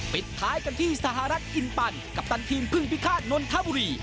ปิดท้ายกันที่สหรัฐอินปันกัปตันทีมพึ่งพิฆาตนนทบุรี